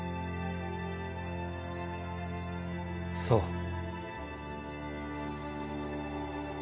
そう。